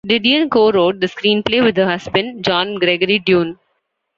Didion co-wrote the screenplay with her husband, John Gregory Dunne.